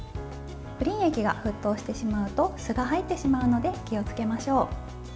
プリン液が沸騰してしまうとすが入ってしまうので気をつけましょう。